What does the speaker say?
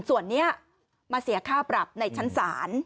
ส่วนนี้มาเสียค่าปรับในชั้นศาล